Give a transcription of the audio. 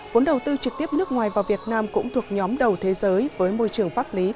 vốn đầu tư trực tiếp nước ngoài vào việt nam cũng thuộc nhóm đầu thế giới với môi trường pháp lý